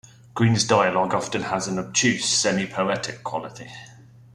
Green's dialog often has an obtuse, semi-poetic quality.